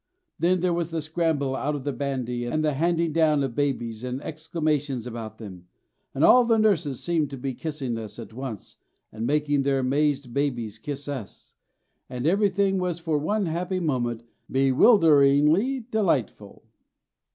Then there was the scramble out of the bandy, and the handing down of babies and exclamations about them; and all the nurses seemed to be kissing us at once and making their amazed babies kiss us, and everything was for one happy moment bewilderingly delightful.